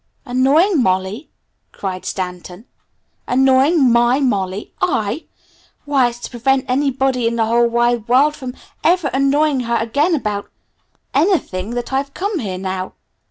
"Annoying Molly?" cried Stanton. "Annoying my Molly? I? Why, it's to prevent anybody in the whole wide world from ever annoying her again about anything, that I've come here now!"